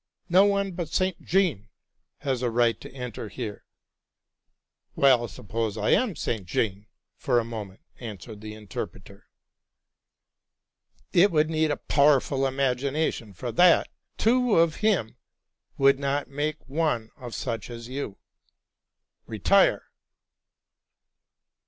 —no one but St. Jean has a right to enter here."' '* Well, sappose [am St. Jean for a moment,'' answered the interpreter. ' It would need a powerful imagination for that! Two of him would not make one such as you. Retire!